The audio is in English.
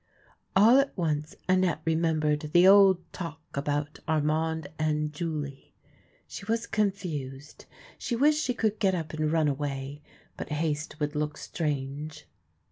All at once Annette remembered the old talk about Armand and Julie. She was confused. She wished she could get up and run away ; but haste would look strange.